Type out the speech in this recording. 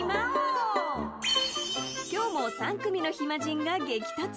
今日も３組の暇人が激突。